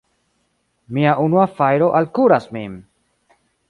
Mia unua fajro alkuras min!